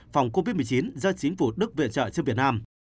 phòng covid một mươi chín do chính phủ đức viện trợ cho việt nam